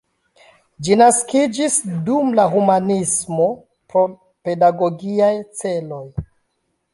Ĝi naskiĝis dum la humanismo pro pedagogiaj celoj.